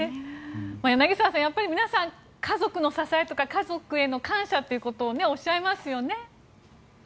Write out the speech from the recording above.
柳澤さん、やっぱり皆さん家族の支えとか家族への感謝ということをおっしゃいますよね。